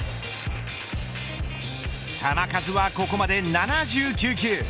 球数はここまで７９球。